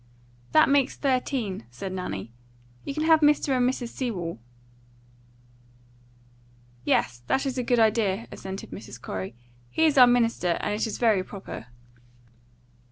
"That makes thirteen," said Nanny. "You can have Mr. and Mrs. Sewell." "Yes, that is a good idea," assented Mrs. Corey. "He is our minister, and it is very proper."